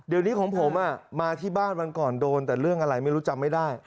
เดี๋ยวนี้ของผมมาที่บ้านวันก่อนโดนแต่เรื่องอะไรไม่รู้จำไม่ได้